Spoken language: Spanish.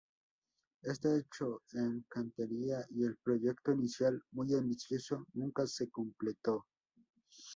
Está hecho en cantería y el proyecto inicial, muy ambicioso, nunca se completó.